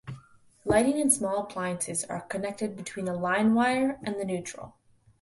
Lighting and small appliances are connected between a line wire and the neutral.